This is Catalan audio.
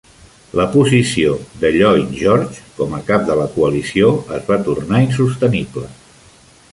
La posició de Lloyd George com a cap de la coalició es va tornar insostenible.